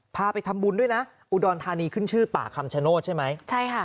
ไปทำบุญด้วยนะอุดรธานีขึ้นชื่อป่าคำชโนธใช่ไหมใช่ค่ะ